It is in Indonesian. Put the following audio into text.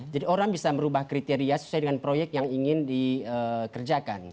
jadi orang bisa merubah kriteria sesuai dengan proyek yang ingin dikerjakan